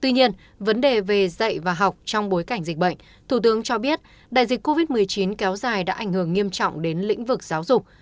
tuy nhiên vấn đề về dạy và học trong bối cảnh dịch bệnh thủ tướng cho biết đại dịch covid một mươi chín kéo dài đã ảnh hưởng nghiêm trọng đến lĩnh vực giáo dục